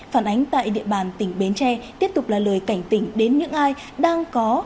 phản ánh tại địa bàn tỉnh bến tre tiếp tục là lời cảnh tỉnh đến những ai đang có